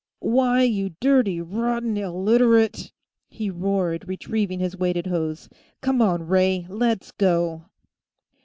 "Why, you dirty rotten Illiterate !" he roared, retrieving his weighted hose. "Come on, Ray; let's go!"